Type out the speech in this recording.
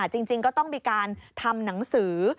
จริงก็ต้องมีการทำหนังสือ